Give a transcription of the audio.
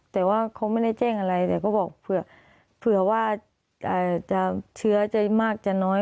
แต่ว่าเขาไม่ได้แจ้งอะไรแต่ก็บอกเผื่อว่าเชื้อจะมากจะน้อย